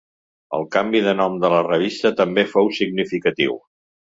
El canvi de nom de la revista també fou significatiu.